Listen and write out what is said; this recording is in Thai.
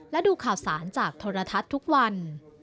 และดูข่าวสารจากโทรทัศน์ทุกวัน